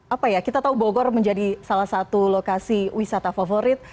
apa ya kita tahu bogor menjadi salah satu lokasi wisata favorit